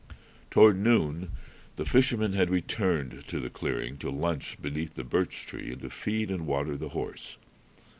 Toward noon the fishermen had returned to the clearing to lunch beneath the birch tree and to feed and water the horse.